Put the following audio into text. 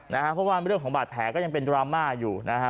เพราะว่าเรื่องของบาดแผลก็ยังเป็นดราม่าอยู่นะฮะ